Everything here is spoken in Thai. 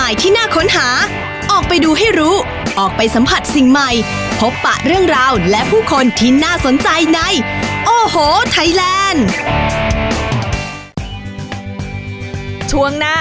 ช่วงหน้าที่นี่ค่ะ